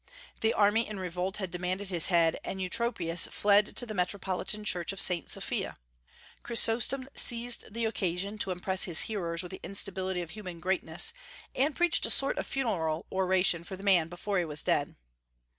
The army in revolt had demanded his head, and Eutropius fled to the metropolitan church of Saint Sophia. Chrysostom seized the occasion to impress his hearers with the instability of human greatness, and preached a sort of funeral oration for the man before he was dead.